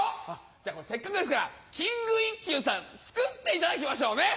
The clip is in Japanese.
じゃあせっかくですからキング一休さんつくっていただきましょうね！